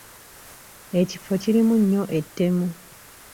Ekifo kirimu nnyo ettemu.